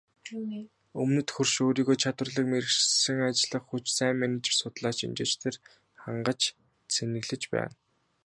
Өмнөд хөрш өөрийгөө чадварлаг мэргэшсэн ажиллах хүч, сайн менежер, судлаач, шинжээчдээр хангаж цэнэглэж байна.